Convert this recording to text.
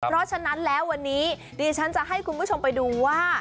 เพราะฉะนั้นแล้ววันนี้ดิฉันจะให้คุณผู้ชมไปดูว่า